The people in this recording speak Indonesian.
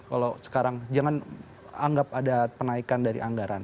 kalau sekarang jangan anggap ada penaikan dari anggaran